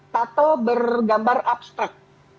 tato bergambar abstrak